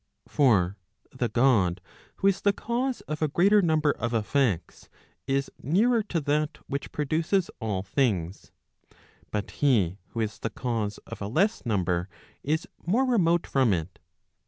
For the God, who is the cause of a greater number of effects, is nearer to that which produces all things; but he who is the cause of a less number is more remote from it.